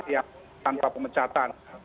yang tanpa pemecatan